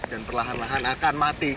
dan perlahan lahan akan mati